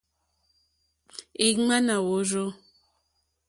Ìŋwánà wûrzú.